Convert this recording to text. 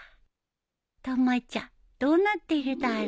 たまちゃんどうなってるだろ